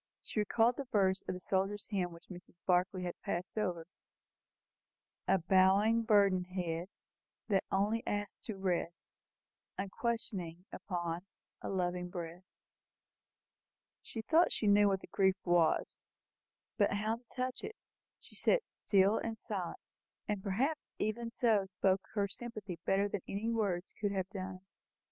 She recalled the verse of the soldier's hymn which Mrs. Barclay had passed over "A bowing, burdened head, That only asks to rest, Unquestioning, upon A loving breast." She thought she knew what the grief was; but how to touch it? She sat still and silent, and perhaps even so spoke her sympathy better than any words could have done it.